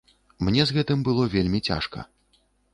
Мне з гэтым было вельмі цяжка.